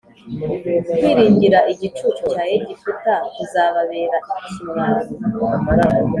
kwiringira igicucu cya Egiputa kuzababera ikimwaro